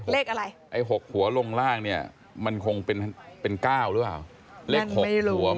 เลขอะไรไอ้หกหัวลงล่างเนี้ยมันคงเป็นเป็นก้าวรึว่านั้นไม่รู้ว่า